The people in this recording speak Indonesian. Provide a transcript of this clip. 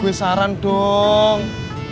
gue saran dong